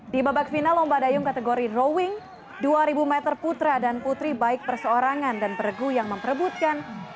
di babak final lomba dayung kategori drawing dua ribu meter putra dan putri baik perseorangan dan peregu yang memperebutkan